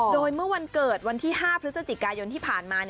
โดยเมื่อวันเกิดวันที่๕พฤศจิกายนที่ผ่านมา